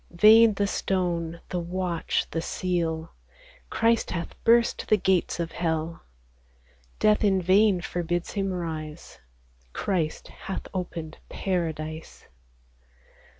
Vain the stone, the watch, the seal : Christ hath burst the gates of hell ; Death in vain forbids Him rise ; Christ hath opened Paradise.